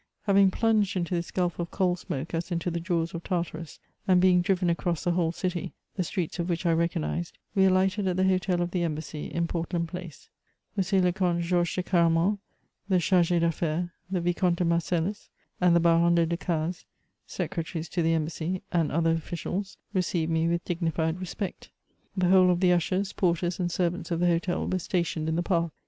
Having plunged into this gulf of coal smoke as into the jaws of Tartarus, and being driven across the whole city, the streets of which I recognised, we alighted at the hotel of the embassy, in Portland Place. M. le Comte Georges de Caraman, the charg^ d'afiPaires ; the Vicomte de Marcel! us and the Baron de Decazes, secretaries to the embassy, and other officials, received me with dignified respect. The whole of the ushers, porters, and servants of the hotel were stationed in the path.